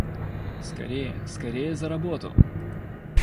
Скорее, скорее за работу!